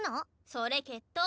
それ決闘。